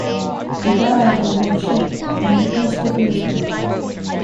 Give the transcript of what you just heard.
He died on board ship, near the coast of Lisbon.